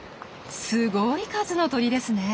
すごい数の鳥ですねえ。